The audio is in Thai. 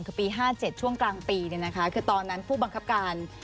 คือปี๕๗ช่วงกลางปีคือตอนนั้นผู้บังคับการ